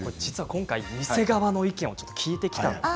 今回、店側の意見を聞いてきました。